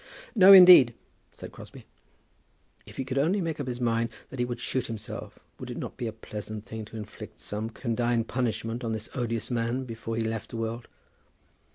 "No, indeed," said Crosbie. If he could only make up his mind that he would shoot himself, would it not be a pleasant thing to inflict some condign punishment on this odious man before he left the world?